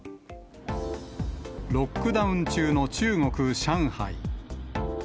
ロックダウン中の中国・上海。